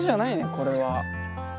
これは。